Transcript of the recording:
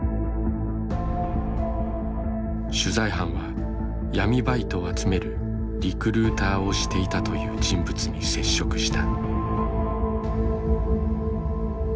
取材班は闇バイトを集めるリクルーターをしていたという人物に接触した。